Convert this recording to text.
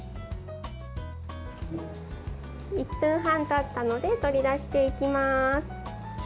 １分半たったので取り出していきます。